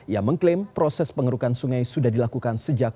yang mengklaim proses pengerukan sungai sudah dilakukan sejak dua ribu dua puluh satu